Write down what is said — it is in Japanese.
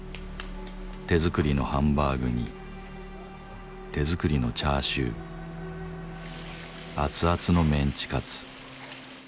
手作りのハンバーグに手作りのチャーシュー熱々のメンチカツ。